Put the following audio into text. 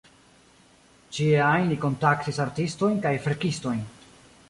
Ĉie ajn li kontaktis artistojn kaj verkistojn.